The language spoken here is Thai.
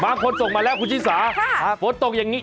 บางคนส่งมาแล้วคุณชี่สาโฟตตกอย่างนี้